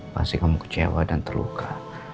pasti kamu kecewa dan terluka